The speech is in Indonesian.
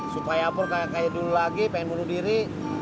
supaya pur kayak kayak dulu lagi pengen bunuh diri